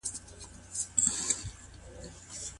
آیا د زخم درملنه په پټه کيږي؟